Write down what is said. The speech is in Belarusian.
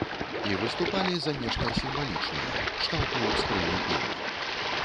І выступалі за нешта сімвалічнае кшталту скрыні піва.